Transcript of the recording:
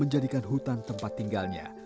menjadikan hutan tempat tinggalnya